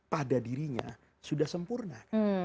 pada dirinya sudah sempurna